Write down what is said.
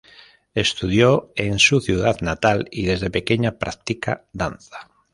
Estudió en su ciudad natal y desde pequeña practica danza.